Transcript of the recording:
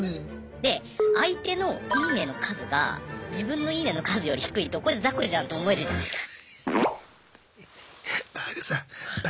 で相手の「いいね」の数が自分の「いいね」の数より低いとこいつ雑魚じゃんって思えるじゃないすか。